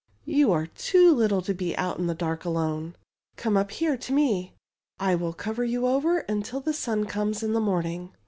You are too little to be out in the dark alone. Come up here to me. I wifl cover you over until the sun comes in the morning."